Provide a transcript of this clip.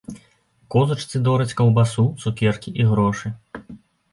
Козачцы дораць каўбасу, цукеркі і грошы.